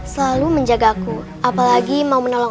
selalu menjagaku apalagi mau menolong